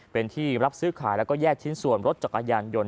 เป็นที่รับซื้อขายแล้วก็แยกชิ้นส่วนรถจักรยานยนต